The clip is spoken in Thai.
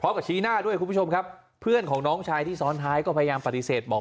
กับชี้หน้าด้วยคุณผู้ชมครับเพื่อนของน้องชายที่ซ้อนท้ายก็พยายามปฏิเสธบอก